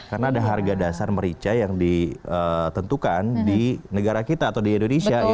karena ada harga dasar merica yang ditentukan di negara kita atau di indonesia ya